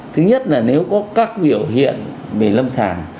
thứ nhất là nếu có các biểu hiện về lâm sàng